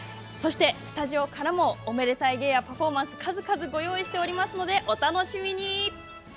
そしてスタジオからもおめでたい芸やパフォーマンスの数々ご用意しておりますのでお楽しみに！